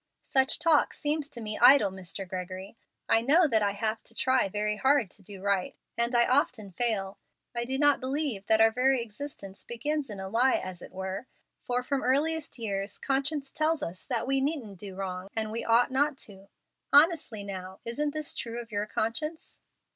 "Such talk seems to me idle, Mr. Gregory. I know that I have to try very hard to do right, and I often fail. I do not believe that our very existence begins in a lie, as it were, for from earliest years conscience tells us that we needn't do wrong and ought not to. Honestly now, isn't this true of your conscience?"